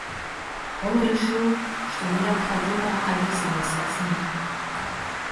Он решил, что необходимо объясниться с ней.